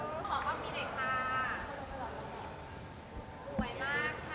ขอมองกล้องลายเสือบขนาดนี้นะคะ